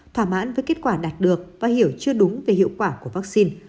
thỏa mãn với kết quả đạt được và hiểu chưa đúng về hiệu quả của vaccine